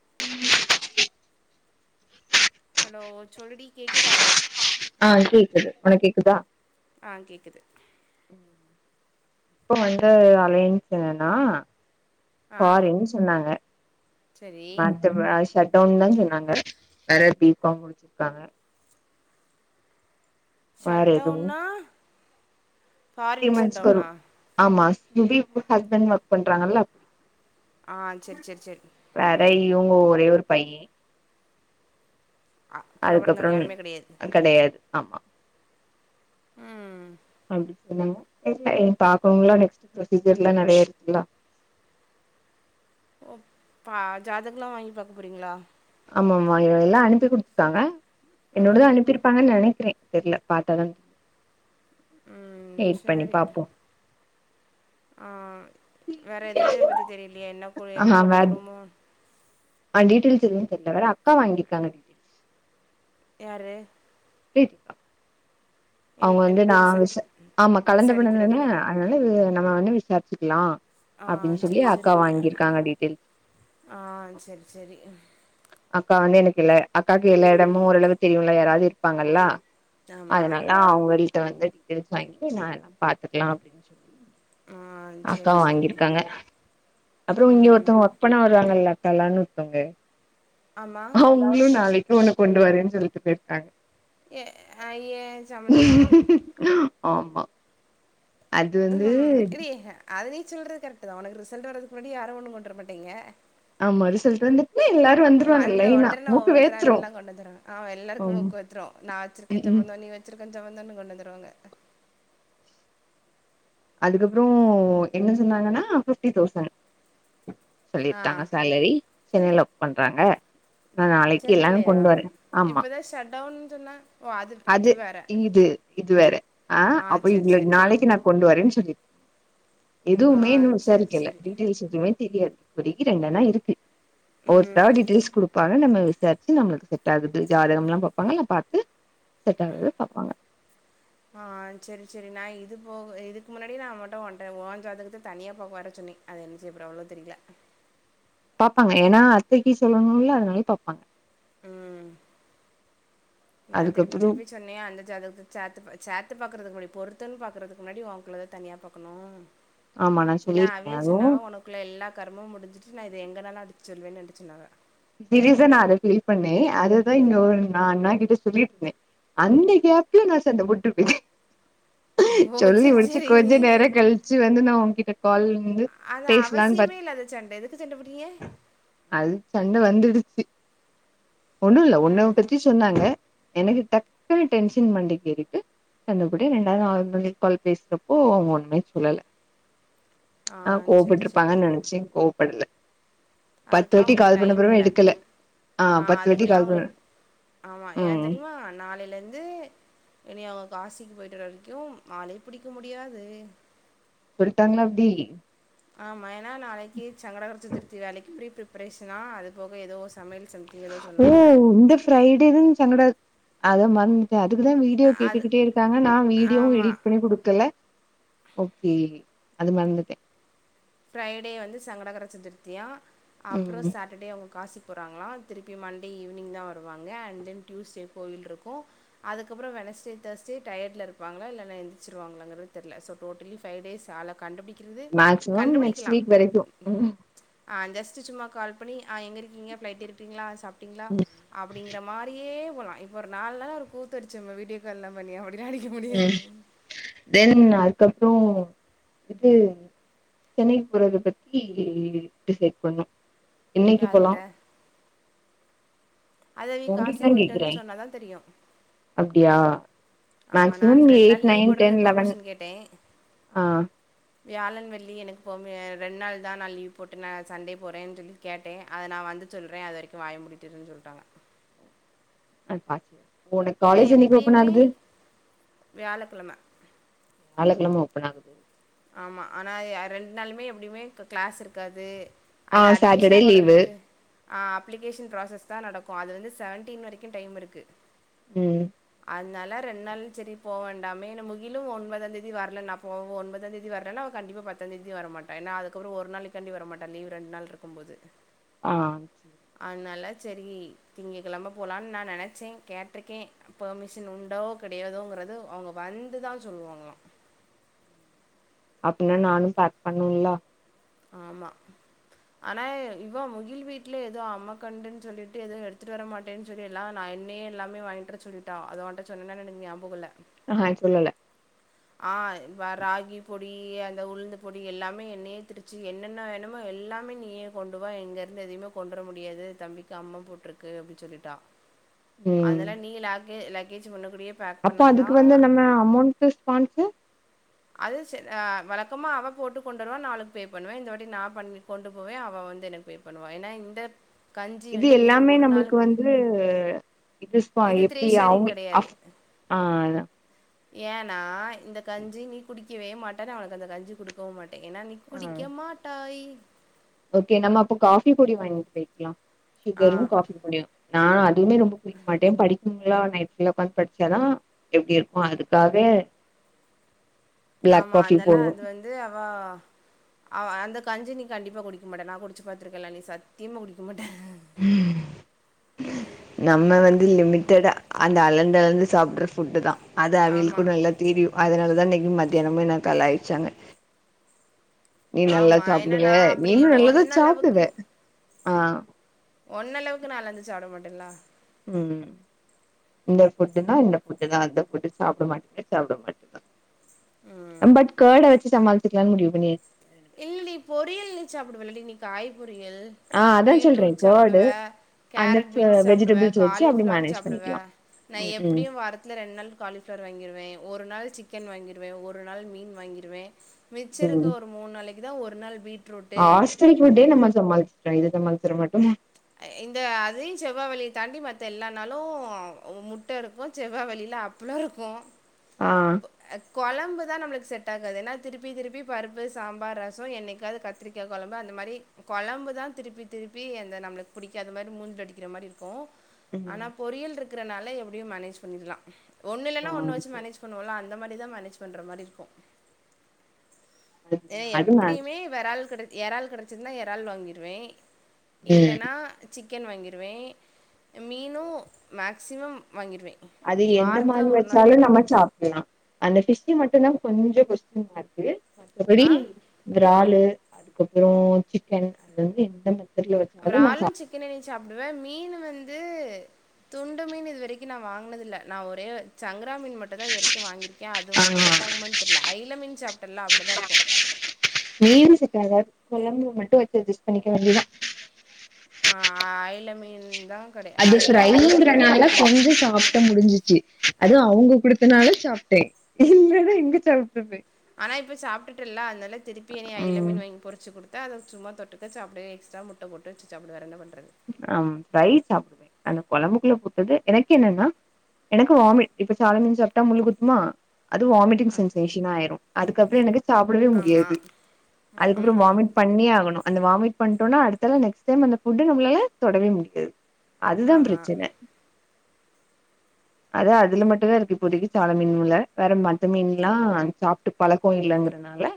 உம் [inaudible] hello சொல்லுடி கேக்குதா ஆ கேக்குது உனக் கேக்குதா ஆஹ் கேக்குது இப்ப வந்து அலையன்ஸ் என்னன்னா ஃபாரின்ஸ் சொன்னாங்க சேரி துபாய் ஷட் டவுன் தா சொன்னாங்க வேற பி காம் முடிச்சிருக்காங்க வேற ஷட் எதுவும் டவுன்னா த்ரீ ஃபாரின் ஷட் மந்த்ஸ்கு டவுனா வரும் ஆமா இப [unintelligible] ஹஸ்பண்ட் ஒர்க் பண்றாங்கல்ல ஆ சேரி சேரி சேரி வேற இவுங்க ஒரே ஒரு பையன் அ கூட பிறந்தவங்க அதுக்கப்புறம் யாருமே கெடையாது கெடையாது ஆமா உம் அப்டி சொன்னாங்க இல்ல இனி பாக்கனுங்கள நெக்ஸ்ட் ப்ரொசீஜர் எல்லாம் நிறைய இருக்குல்லா ஓ பா ஜாதகலாம் வாங்கி பாக்க போறீங்களா ஆமா ஆமா எல்லாம் அனுப்பி குடுத்துடாங்க என்னோடது ம் அனுப்பியிருப்பாங்கன் நெனைக்கிறே தெரில பாத்தாதான் ம் வெயிட் பண்ணி பாப்போ ஆஹ் வேற எதுவுமே அத பத்தி தெரிலையா என்ன ஆ எப்டிப்பட்ட வேற குடும்பம் ஆ டீட்டைல் தெரியு சொன்னாங்க அக்கா வாங்கிக்டாங்க யாரு என் அவுங்க வந்து நா டீட்டெயில்ஸ் விச ஆமா கலந்த படதுனே விசாரிக்கிறதுக்கு [unintelligible] அதனால நம்ம வந்து விசாரிச்சிக்கலா ஆ அப்டின் சொல்லி சரி அக்கா சரி வாங்கியிருக்காங்க டீட்டெயில் ஆ சேரி சேரி அக்கா வந்து எனக்கு எல்ல அக்காவுக்கு எல்லா இடமும் ஓரளவு தெரியும்ல யாராவது இருப்பாங்கல்ல ஆமா அதனாலா அவுங்களிட்ட வந்து டீட்டல்ஸ் வாங்கி நா எல்லாம் பாத்துக்கலாம் அப்படின் ஆ அக்கா சரி சரி வாங்கியிருக்காங்க அப்புறம் இங்க ம் ஒருத்தவங்க ஒர்க் பண்ண வருவாங்கல்ல அக்கால்லாம்னு ஒருத்தவங்க ஆமா [unintelligible] நாளைக்கி ஒன்னு கொண்டு வரேன்னு சொல்லிட்டு போய்ருக்காங்க ஏ அ ஏன் சம்மந்தமா ஆமா அது வந்து ம் இதயே அது நீ சொல்றது கரெக்ட் தா உனக்கு ரிசல்ட் வரதுக்கு முன்னாடி யாரு ஒண்ணு கொண்டு வர மாட்டீங்க ஆமா ரிசல்ட் வந்துட்னா எல்லாரு வந்துருவாங்க வந்த லைனா உடர்ன மூக்கு ஒவ்வொருத்தரா வேத்துரு எல்லா கொண்டு வந்துருவாங்க ஆமா எல்லாருக்கு அம் மூக்கு வேத்துரு நா வச்சிருக்க ம்ஹூம் சம்பந்தோ நீ வச்சிருக்க சம்பந்தோன்னு கொண்டு வந்துருவாங்க அதுக்கப்புறோ என்ன சொன்னாங்கன்னா ஃபிஃப்டி தௌசண் ஆ சொல்லிருக்காங்க சேலரி சென்னைல ஒர்க் பண்றாங்க நா நாளைக்கி எல்லா கொண்டு வரே ஆமா எதோ ஷாட்டவுன் சொன்ன ஓ அது அது இது வேற இது இதுவேற ஆ அப்போ சரி இவ்ளோ சரி நாளைக்கி நா கொண்டு வரன்னு சொல்லிருக் ஆ எதுவுமே இன்னு சரி விசாரிக்கில சரி டீட்டெயில்ஸ் எதுமே தெரியாது இப்பதிக்கி ரெண்டன இருக்கு ம் ஒருத்தடவ டீட்டியல்ஸ் குடுப்பாங்க நம்ம விசா ரிச்சி நம்பளுக்கு செட் ஆகுது ஜாதகம்லா பாப்பாங்க எல்லா பாத்து செட் ஆகுறத பாப்பாங்க ஆ செரி செரி நா இது போக இதுக்கு முன்னாடி நா அவுங்கட்ட ஓன்ட்ட ஒஜாதகத்த தனியா பாக்க வரே சொன்னே அது என்ன செய்ய போறாகளோ தெரிய்ல பாப்பாங்க ஏன்னா அத்தைக்கி சொல்லணுல அதனால பாப்பாங்க ம் நா திருப்பி அதுக்கப்றோ திருப்பி சொன்னே அந்த ஜாதகத்த சேத்து சேத்து பா பாக்கறதுக்கு முன்னடி பொருத்தல் பாக்குறக்கு முன்னடி ஒங்குள்ளது தனியா பாக்கணு ஆமா நா ஏன்னா சொல்லியிருக்கே அவே அதுவு சொன்னாக உனக்குள்ள எல்லா கருமமு முடிஞ்சிட்டு நா இத எங்கனாலு அடிச்சு சொல்லுவவேன்னு என்ட சொன்னாங்க சீரியஸ்ஸ நா அத ஃபீல் பண்ணே அததா இங்க ஒரு நா அண்ணா கிட்ட சொல்லிட்டு இருந்தே அந்த கேப்ல நா சண்ட போட்டு [unintelligible] ஓ சொல்லி சரி முடிச்சு சரி கொஞ்ச நேர கழிச்சு வந்து நா உன் கிட்ட கால் வந்து அது பேசலான்னு பாத் அவசியமே இல்லாத சண்ட எதுக்கு சண்ட போடிங்க அது சண்ட வந்துடுச்சு ஒண்ணு இல்ல ஒன்ன ம் பத்தி சொன்னாங்க எனக்கு டக்குன்ன டென்ஷன் மண்டைக்கு ஏறிட்டு சண்ட போட்டே ரெண்டாவது [unintelligible] கால் பேசுறப்போ அவுங்க ஒண்ணுமே சொல்லல ஆ நா சரி சரி கோவப்ட்ருப்பாங்க நனைச்சே கோவப்படுல பத்து அதுக்கெலாம் வாட்டி உங்களுக்கு கால் டைம் பண்ணப்பிறவு இல்லை எடுக்கல ஆ பத் [unintelligible] ம் ஆ நாளலெந்து இனி அவ்ங்க காசிக்கு போயிட்டுற வரைக்கு அளே புடிக்க முடியாது சொல்ட்டாங்களா அப்டி ஆமா என்னா நாளைக்கி சங்கடகர சதுர்த்தி வேலைக்கி ப்ரீ ப்ரிப்ரேஷனா அது போக ஏதோ சமையல் செ ஓ இந்த ஃப்ரைடே தா சங்கட அத மறந் து அதுக்குதா வீடியோ அ அது கேட்டுக்கிட்டே இருக்காங்க நா வீடியோவு ஆமா. எடிட் பண்ணி குடுக்கல ஓகே அது மறந்துட்டே ஃப்ரைடே வந்து சங்கடகர சதுர்த்தியா அப்றோ ம் சாட்டர்டே அவுங் காசிக் போறாங்களா திருப்பியு மண்டே ஈவினிங் தா வருவாங்க அண்ட் தென் டியூஸ்டே கோவில்ருக்கு அதுக்கப்றோ வெனஸ்டே தேர்ஸ்டே டயர்ட்ல இருப்பாங்க இல்லா எந்திரச்சவாங்கலங்குறது தெர்ல சோ டோட்டலி ஃபை டேஸ் ஆள கண்டுபுடிக்கிறது மேக்சிமம் நெக்ஸ்ட் வீக் வரைக்கி ஆ ஜஸ்ட சும்மா கால் பண்ணி அ எங்க இருக்கீங்க ஃபிளைட் ஏறிட்டிங்களா சாப் டிங்ளா ம், அப்டிங்கிற மாரியே போலா இப்ப ஒரு நால் நாளா ஒரு கூத்துடிச்சுமே வீடியோ ல்லா பண்ணி அப்டில்ல அடிக்க ம். முடியாது தென் அதுக்கப்றோ இது சென்னைக்கு போறத பத்தி டிசைட் பண்ணு என்னைக்கி போலா யார்கிட்ட அதேவி காசி உங்கிட்டதா கேக்குறே போய்ட்டுவந்து சொன்னாதா தெரியு அப்டியா ஆமா நான் மேக்சிமம் ரெண்டு எயிட் நாள் லீவ் நைன் டென் போட்றதுக்கு லெவன் பர்மிஷன் கேட்டே ஆ வியாழன் வெள்ளி எனக்கு போ ரெண்டு நாள் தான் நான் லீவ் போட்டே நான் சண்டே போகிறேன் சொல்லி கேட்டே அது நா வந்து சொல்றே அது வரைக்கு வாய முடிட்டு இறு சொல்டாங்க அ பாத்து உனக் காலேஜ் என்னைக்கு ஓப்பன் ஆகுது வியாழக்கெழம வியாழக்கெழம ஒப்பன் ஆகுது ஆமா ஆனா ய ரெண்டு நாளுமே எப்டியுமே கிளாஸ் இருக்காது ஆ அது அட்மிஷன் சாட்டர்டே லீவு போட்றதுக்கு ஆ அப்ளிகேஷன் ப்ராசஸ் தான் நடக்கு அதுலயிருந்து செவன்டீன் வரைக்கு டைம் இருக்கு ம் அதனால ரெண்டு நாளு சேரி போ வேண்டாமேனு முகிலு ஒன்பதாந்தேதி வரல நான் போவு ஒன்பது ஒன்பதாந்தேதி வரலனா அவே கண்டிப்பா பத்தாந்தேதி வரமாட்டா ஏனா அதுக்கப்பறோ ஒரு நாளைக்காண்டி வரமாட்டா லீவு ரெண்டு நாள் இருக்கும்போது [inaudible] ஆ செரி அதனால சேரி திங்க கெழம போலான்னு நான் நெனைச்சே கேட்டிருக்கே பெமிஷன் உண்டாவோ கெடையாதோங்கறது அவுங்க வந்துதா சொல்லுவாங்களா அப்டின்னா நானு பேக் பண்ணனுலா ஆமா ஆனா இவே முகில் வீட்ல ஏதோ அம்மே கண்டுன்னு சொல்லிட்டு ஏதோ எடுத்துட்டு வர மாட் டேனு சொல்லி எல்லா நா என்னேயே எல்லாமே வாங்கிட்டு வர சொல்ட்டா அத உன்ட்ட சொன்னனான் எனக் ஞாபகோ இல்ல அஹா இத சொல்லல்ல ஆ வ ராகி பொடி அந்த உளுந்து பொடி எல்லாமே என்னையே திரிச்சு என்னென்ன வேணுமோ எல்லாமே நீ நீயே கொண்டு வா இங்க இருந்து எதையுமே கொன்டற முடியாது தம்பிக்கு அம்மா போட்டிருக்கு அப்டி சொல்லிட்டா ம் அதனால நீ லாக்கு லக்கேஜ் உன்னக் கூடயே அப்போ அதுக்கு வந்து நம்ம அமௌன்ட்டு ஸ்பான்ஸ்சு அது சேரி வழக்கமா அவ போட்டு கொண்டுவருவா அவளுக்கு பே பண்ணுவே இந்த வாட்டி நா பண்ணி கொண்டு போவே அவ வந்து எனக்கு பே பண்ணுவா ஏன்னா இந்த கஞ்சி இது வந்து நீ எல்லாமே ஒரு நம்மளுக்கு நாள் குடி வந்து இது ஸ்பா த்ரீ எப்புடி ஷேரிங் அவுங்களுக் கெடையாது. அஃப் ஆ அதா ஏன்னா இந்த கஞ்சி நீ குடிக்கவே மாட்டனு அவனுக்கு அந்த கஞ்சி குடுக் கவே மாட்டே ஏனா நீ குடிக்க மாட்டாய் ஓகே நம்ம அப்பௌ காஃபி பொடி வாங்கிட்டு போய்க்கலா ஆ சுகரு காஃபி பொடியு நா அதுவுமே ரொம்ப குடிக்க மாட்டே படிக்கும் பொழுது நைட்ல ஒக்காந்து படிச்சாதா எப்டி இருக்கு அதுக்காக பிளாக் ஆமா. காஃபி அதனால போட்ணு அது வந்து அவா அவ அந்த கஞ்சி நீ கண்டிப்பா குடிக்க மாட்ட நா குடிச்சி பாத்திருக்கேல்ல நீ சத்தியமா குடிக்கமாட்ட ம் நம்ம வந்து லிமிட்டடா அந்த அளந்து அளந்து சாப்புட்ற ஃபுட்டு தா அது அவில் ஆமா, கூட நல்லா தெரியு அதனாலதா இன்னைக்கு மத்தியானமு என்ன கலாய்ச்சாங்க நீ நல்லா ஆமா ஏன்னா நா சாப்டுவ அப்புடி நீனு நல்லதா உன் அளவுக்கு சாப்டுவ ஆ உன்னளவுக்கு நா லஞ்ச் சாப்ட மாட்டேன்லா ம் இந்த ஃபுட்டு்ன்னா இந்த புட்டு தா அந்த ஃபுட்டு சாப்ட மாட்டேனா சாப்ட மாட்டே தான் ம் பட் கர்டு வெச்சி சமாளிச்சிக்கலா முடிவு பண்ணியாச்சி இல்ல நீ பொரியல் நீ சாப்புடுவல்ல டி நீ காய் பொரியல் ஆ அதா சொல்றே பீட்ரூட் கர்டு சாப்புடுவே அந்த கேரட் பீன்ஸ் சாப்புடுவே வெஜிடபிள்ஸ் வச்சு அப்டி காலிஃப்ளவர் மேனேஜ் சாப்புடுவே பண்ணிக்கலா நா ம் ம் எப்படியு வாரத்துல ரெண்டு நாள் காலிஃப் ளவர் வாங்கிருவே ஒரு நாள் சிக்கன் வாங்கிருவே ஒரு நாள் மீன் வாங்கிருவே மிச்சோருக்கு ம் ஒரு மூண் நாளைக்கு தா ஒரு நாள் பீட் ஹாஸ்டல் புட்டே நம்ம சமாளிச்சுட்டோ இத சமாளிக்க மாட்டோமா இந்த அதையு செவ்வா வெள்ளிய தாண்டி மத்த எல்லானாலு முட் ட இருக்கு செவ்வா வெள்ளியில அப்பளோ இருக்கு ஆ குழம்பு தா நம்மளுக்கு செட் ஆகாது ஏனா திருப்பி திருப்பி பருப்பு சாம்பார் ரச என்னிக்காது கத் திரிக்கா குழம்பு அந்த மாரி குழம்பு தா திருப்பி திருப்பி அந்த நம்மளுக்கு புடிக்காத மாரி மூஞ்சில அடிக்கிற மாரி இருக்கும் ஆனா ம் பொறியல் இருக்குறனால எப்டியு மேனேஜ் பண்ணிருலா ஒண்ணு ஆ இல்லனா ஒன்னு வச்சு சேரி மேனேஜ் சாப்புனுல அந்த மாரி தா மேனேஜ் பண்ற மாரி இருக்கு ஏ அது மேட்ரு எப்டியுமே வறால் கட எறால் கிடைச்சதுனா எறால் வாங்கிடுவ ம் இல்லன்னா சிக்கன் வாங்கிருவ மீனு மேக்சிமம் வாங்கிருவ அது எந்த மாதிரி வச்சாலு நம்ம சாப்புடலா அந்த ஃபிஷ் மட்டுந்தா கொஞ்ச கொஸ்டின் மார் மத்தபடி ஆ விராலு அதுக்கப்பற சிக்கன் அதுல வந்து எந்த மாதிரி விராலு சிக்கனு சாப்புடுவ மீன் வந்து துண்டு மீன் இது வரைக்கு நா வாங்குனதில்ல நா ஒரே சங்கரா மீன் மட்டுந்தா இது வரைக்கு வாங்கிருக்க அது ஆ உனக்கு செட் ஆகுமான்னு தெர்ல அய்ல மீன் சாப்புடலா அப்டி தா இருக்கும் மீன் செட் ஆகாது குழம்புல மட்டு வச்சு அஜஸ்ட் பண்ணிக்க வேண்டிதா ஆ அய்ல மீன் தா கெடை அய்ல மீனு கிடைக்கும் கொஞ்ச சாப்ட்டா முடிஞ்சிச்சு அது அவங்க குடுத்தனால சாப்புட்ட இல்லனா எங்க சாப்பட்றது ஆனா இப்ப சாப்புட்டல்ல அதனால திருப்பி‌‌ இனி அயல ம் மீன் வாங்கி பொறிச்சுக் ‌குடு அ அத சும்மா தொட்டுக்க‌ சாப்புடுவ எக்ஸ்ட்ரா முட்ட போட்டு வெச்சு சாப்புடு வேற என்ன பண்றது ஆ ம் ரைஸ் சாப் அந்த குழம்புக்குள்ள போட்டது எனக்கே என்னன்னா எனக்கு வாமிட் இப்ப சாதா மீன் சாப்புட்டா முள்ளு குத்துமா அது வாமிட்டிங் சென்சேஷன ஆயிரு அதுக்கப்பற எனக்கு சாப்புடவே ஆமா. முடியாது அதுக்கப்பற ம், ம். வாமிட் பண்ணியே ஆகணு அந்த வாமிட் பண்ணிட்டோம்னா அடுத்தல நெக்ஸ்ட் டைம் அந்த ஃபுட்டு் நம்மளால தொடவே முடியாது அதுதா ஆமா. பிரச்சன அதா அதுல மட்டுந்தா இருக்கு இப்போதைக்கு சால மீன்ல வேற மத்த மீன்ல்லா சாப்புட்டு பழக்க இல்லங்க தால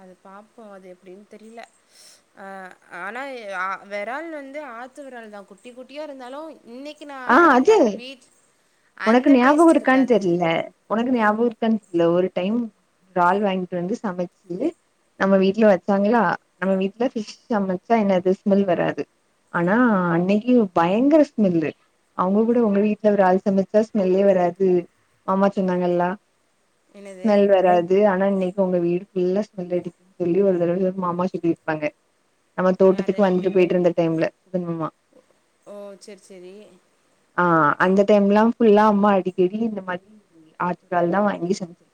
அது பாப்போ அது எப்டின்னு தெரில அ ஆனா ஆ வெறால் வந்து ஆத்து வெரால் தா குட்டி குட்டியா இருந்தாலு இன்னிக் கு நா அது வீட் உனக்கு அந்த ஞாபகோ டேஸ்ட் இருக்கான்னு இருக்காது தெர்ல உனக்கு ஞாபக இருக்கானு தெர்ல ஒரு டைம் ‌றால் வாங்கிட்டு வந்து சமைச்சு நம்ம வீட்டுல வச்சாங்களா நம்ம வீட்டுல ஃபிஷ் சமைச்சா என்ன அது ஸ்மெல் வராது ஆனா அன்னிக்கு பயங்கர ஸ்மெல் அவங்க கூட உங்க வீட்டுல இறால் சமைச்சா ஸ்மெல்லே வராது மாமா சொன்னாங்கல்லா என்னது ஸ்மெல் வராது ஆனா இன்னிக்கு உங்க வீடுல்ல ஸ்மெல் அடிக்குது சொல்லி ஒரு தடவ மாமா சொல்லி இருப்பாங்க நம்ம யாரு தோட்டத்துக்கு வந்துட்டு போயிட்டு இருந்த டைம்ல சுத மாமா ஓ சேர் சேரி ஆ அந்த டைம்ல்லா ஃபுல்லா அம்மா அடிக்கடி இந்த மாறி ஆட்டுக்கால் தா வாங்கி செஞ்சிரு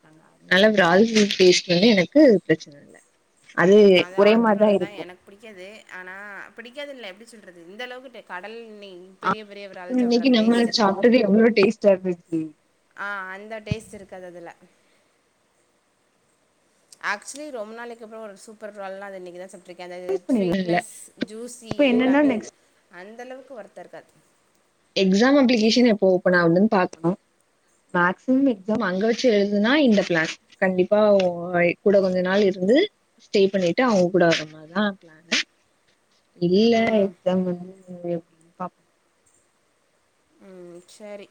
அதுனால விறால் ஃப்ரூட் டேஸ்ட் வந்து எனக்கு பிரச்சன இல்ல அது ம் ஒரே ஆத்து மாதிரி தா விரால் தான் இருக்கும் எனக்கு பிடிக்காது ஆனா பிடிக்காதுல்ல எப்டி சொல்றது இந்த அளவுக்கு கடல் மீன் இன்னிக்கு நம்ம சாப்புட்டது எவ்ளோ டேஸ்ட்டா இருந்துச்சு ஆ அந்த டேஸ்ட் இருக்காது அதுல ஆக்சுலி ரொம்ப நாளக்கு அப்பற ஒரு சூப்பர் இறால்னா அது இன்னக்குதா சாப் புட்டு இருக்க அது ஸ்வீட்னஸ் ஜூஸி இப்ப எல்லாமே என்னன்னா இது அந்தளவுக்கு ஒருத்தா இருக்காது எக்ஸாம் அப்ளிகேஷன் எப்போ ஓப்பன் ஆகுதுன்னு பாக்கலா மேக்சிம் எக்ஸாம் அங்க வச்சு எழுதுனா இந்த பிளான் கண்டிப்பா ஐ கூட கொஞ்ச நாள் இருந்து ஸ்டே பண்ணிட்டு அவுங்க கூட வரமார் தா பிளானு இல்ல ம் எக்ஸாம் வந்து பாப்போம். ம் சேரி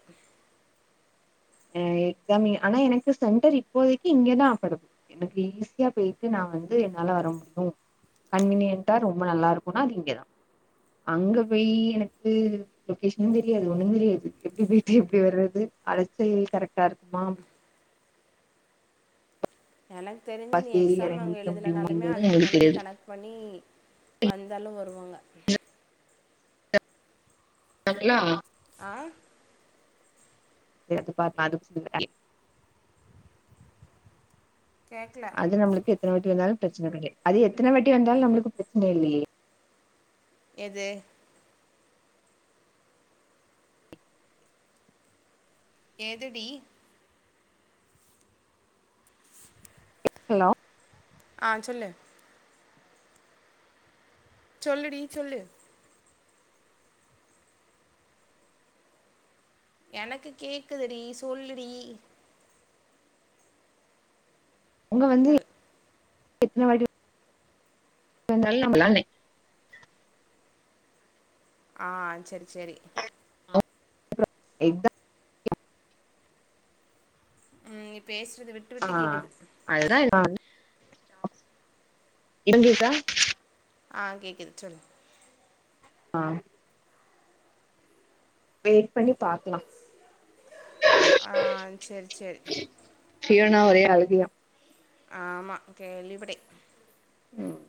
அ எக்ஸாமே ஆனா எனக்கு சென்டர் இப்போதைக்கு இங்கதா ஆப்பரு எனக்கு ஈஸியா போயிட்டு நா வந்து என்னால வர முடியு கன்வீனியன்ட்டா ரொம்ப நல்லா இருக்குனா அது இங்கதா அங்க போய் எனக்கு லொகேஷனு தெரியாது ஒண்ணு தெரியாது எப்டி போயிட்டு எப்டி வர்றது அலச்சல் கரெக்டா இருக்குமா எனக் தெரிஞ்சி பஸ் நீ ஏறி எக்ஸாம் அங்க எறங்கிக்க எழுதுலனாலுமே முடியுமாங்கிறது அதுக்கு நம்மளுக்கு முன்னாடி தெரியாது கனெக்ட் பண்ணி வந்தாலு வருவாங்க [unintelligible] ஆ [inaudible] கேக்ல அது நம்ளுக்கு எத்தன வட்டி வந்தாலு பிரச்சன கெடையா அது எத்தன வாட்டி வந்தாலு நம்ளுக்கு பிரச்சன இல்லையே எது எது டி ஹலோ ஆ சொல்லு சொல்லுடி சொல்லு எனக்கு கேக்குதுடி சொல்லுடி உங்க வந்து ஹல் எத்தன வாட்டி இருந்தாலு நம்ம ஆ செரி செரி [inaudible] ம் நீ பேஸ்றது விட் ஆ அதுதா இடிஞ்சிருக்கா ஆ கேக்குது சொல்லு ஆ வெயிட் பண்ணி பாக்கலா ஆ செரி செரி ஹியோனா ஓரே ஆளுகையா ஆமா கேள்விப் பட்டே ம்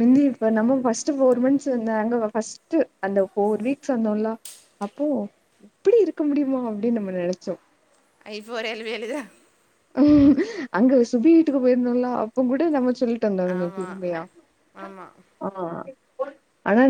முந்தி இப்ப நம்ம ஃபஸ்ட்டு ஃபோர் மந்த்ஸு நாங்க வ ஃபஸ் டு அந்த ஃபோர் வீக்ஸ் வந்தோல்லா அப்போ அப்டி இருக்க முடியுமா அப்டின் நம்ம நெனச்சோ ஐ ஃபோர் எல் வி எல் இது தா அங்க சுபி வீட்டுக்கு போயிருந்தோம்லா அப்போ கூட நம்ம சொல்லிட்டு வந்தோ ஆமா [unintelligible] ஆமா ஆ அதுதா